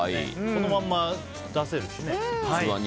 このまま出せるしね。